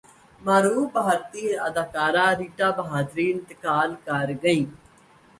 معروف بھارتی اداکارہ ریٹا بہادری انتقال کرگئیں